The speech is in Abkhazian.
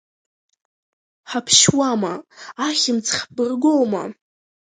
Ҳабшьуама, ахьымӡӷ ҳбыргоума!